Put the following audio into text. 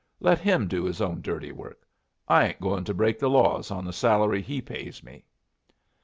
Let him do his own dirty work. I ain't going to break the laws on the salary he pays me."